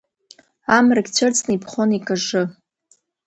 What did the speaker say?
Амрагь цәырҵны иԥхон икажжы.